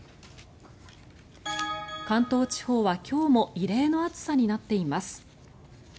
関東地方は今日も異例の暑さになっています。